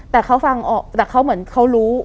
แต่เขารู้